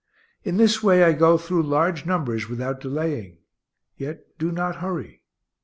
In this way I go through large numbers without delaying, yet do not hurry.